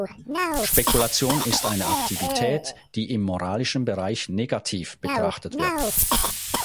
Spekulation ist eine Aktivität, die im moralischen Bereich negativ betrachtet wird.